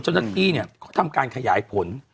เจ้าหน้าที่เนี่ยเขาทำการขยายผล